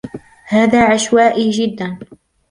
هذا عشوائي جداً.